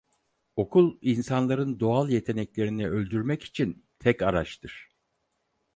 Okul insanların doğal yeteneklerini öldürmek için tek araçtır…